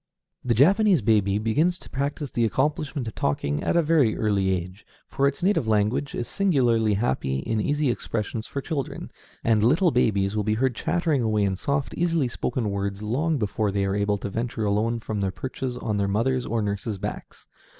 The Japanese baby begins to practice the accomplishment of talking at a very early age, for its native language is singularly happy in easy expressions for children; and little babies will be heard chattering away in soft, easily spoken words long before they are able to venture alone from their perches on their mothers' or nurses' backs.